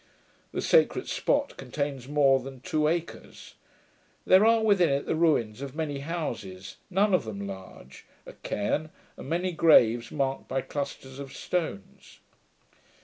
The sacred spot contains more than two acres. There are within it the ruins of many houses, none of them large, a cairn, and many graves marked by clusters of stones.